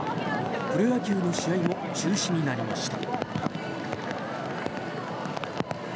プロ野球の試合も中止になりました。